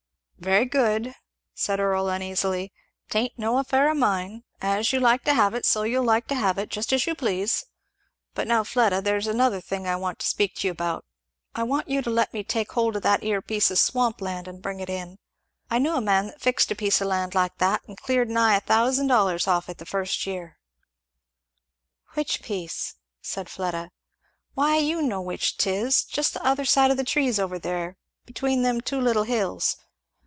"Very good!" said Earl uneasily, "'tain't no affair of mine as you like to have it so you'll have it just as you please! But now, Fleda, there's another thing I want to speak to you about I want you to let me take hold of that 'ere piece of swamp land and bring it in. I knew a man that fixed a piece of land like that and cleared nigh a thousand dollars off it the first year." "Which piece?" said Fleda. "Why you know which 'tis just the other side of the trees over there between them two little hills.